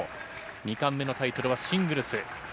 ２冠目のタイトルはシングルス。